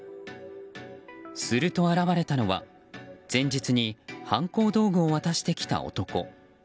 すると現れたのは、前日に犯行道具を渡してきた男。